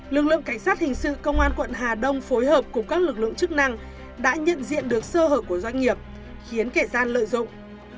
lực lượng cảnh sát hình sự công an quận hà đông phối hợp cùng các lực lượng chức năng đã nhận diện được sơ hở của doanh nghiệp khiến kẻ gian lợi dụng